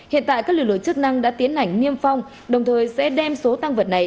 hiện tại các lực lượng chức năng đã tiến hành niêm phong đồng thời sẽ đem số tăng vật này